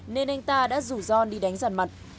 nên anh ta đã rủ john đi đánh giản mặt